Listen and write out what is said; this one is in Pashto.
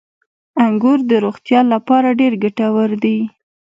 • انګور د روغتیا لپاره ډېر ګټور دي.